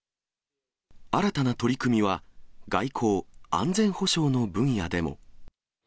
新たな取り組みは、外交・安全保障の分野でも。